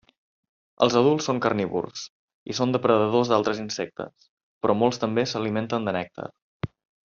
Els adults són carnívors i són depredadors d'altres insectes, però molts també s'alimenten de nèctar.